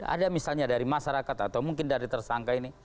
ada misalnya dari masyarakat atau mungkin dari tersangka ini